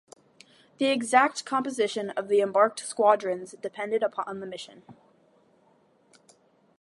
The exact composition of the embarked squadrons depended upon the mission.